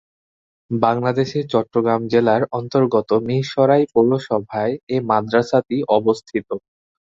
বাংলাদেশের চট্টগ্রাম জেলার অন্তর্গত মীরসরাই পৌরসভায় এ মাদ্রাসাটি অবস্থিত।